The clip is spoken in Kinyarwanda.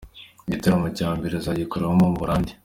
Igitaramo cya mbere azagikorera mu Buholandi.